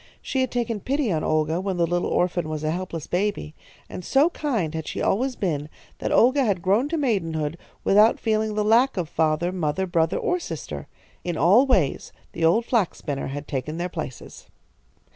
She had taken pity on Olga when the little orphan was a helpless baby, and so kind had she always been that Olga had grown to maidenhood without feeling the lack of father, mother, brother, or sister. In all ways the old flax spinner had taken their places.